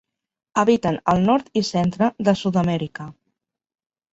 Habiten el nord i centre de Sud-amèrica.